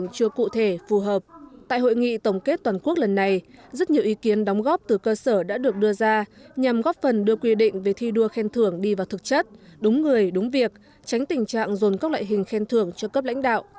rất nhiều ý kiến đóng góp từ cơ sở đã được đưa ra nhằm góp phần đưa quy định về thi đua khen thưởng đi vào thực chất đúng người đúng việc tránh tình trạng dồn các loại hình khen thưởng cho cấp lãnh đạo